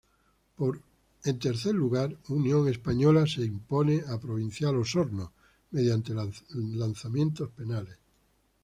Por el tercer lugar, Unión Española se impuso a Provincial Osorno mediante lanzamientos penales.